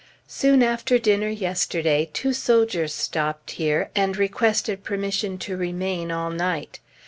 Soon after dinner yesterday two soldiers stopped here, and requested permission to remain all night.